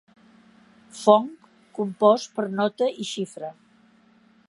Fong compost per nota i xifra.